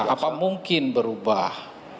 apa mungkin berubah